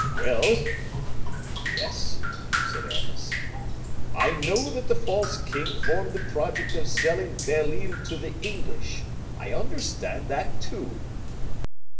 Well " "Yes?" said Aramis. "I know that the false king formed the project of selling Belle Isle to the English. I understand that, too."